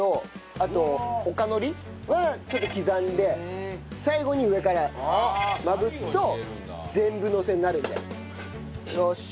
あとおかのりはちょっと刻んで最後に上からまぶすと全部のせになるんで。よしっ。